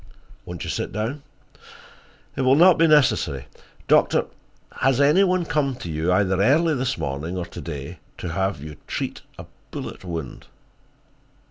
"Won't you sit down?" "It will not be necessary. Doctor, has any one come to you, either early this morning or to day, to have you treat a bullet wound?"